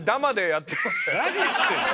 何してんの？